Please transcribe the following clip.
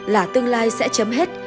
là tương lai sẽ chấm hết